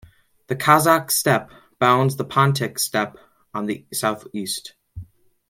The Kazakh Steppe bounds the Pontic steppe on the southeast.